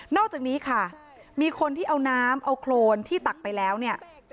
อกจากนี้ค่ะมีคนที่เอาน้ำเอาโครนที่ตักไปแล้วเนี่ย